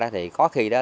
thì có khi